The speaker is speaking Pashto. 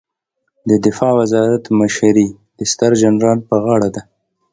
د دفاع وزارت مشري د ستر جنرال په غاړه ده